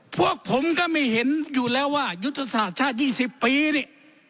พวกผมก็ไม่เห็นอยู่แล้วว่ายุทธศาสตร์ชาติ๒๐ปีนี่